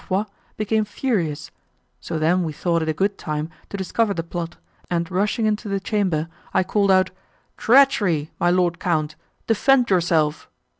Foix became furious, so then we thought it a good time to discover the plot, and rushing into the chamber, I called out, 'Treachery! my lord count, defend yourself!